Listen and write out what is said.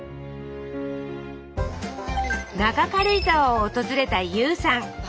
中軽井沢を訪れたＹＯＵさん。